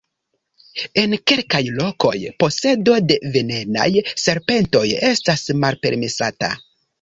En kelkaj lokoj posedo de venenaj serpentoj estas malpermesata.